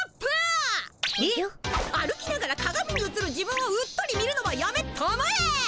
歩きながらかがみにうつる自分をうっとり見るのはやめたまえ。